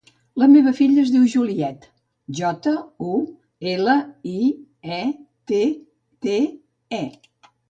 La meva filla es diu Juliette: jota, u, ela, i, e, te, te, e.